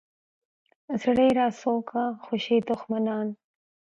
زړه یې راسو کا خوشي دښمنان.